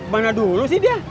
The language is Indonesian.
mana dulu sih dia